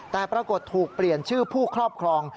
แต่ปรากฏถูกเปลี่ยนชื่อผู้ครอบครอง